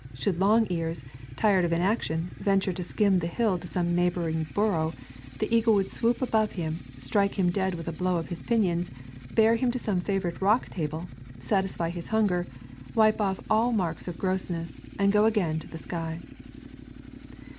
Should long ears, tired of inaction, venture to skim the hill to some neighboring burrow, the eagle would swoop above him and strike him dead with a blow of his pinions, bear him to some favorite rock table, satisfy his hunger, wipe off all marks of grossness, and go again to the sky.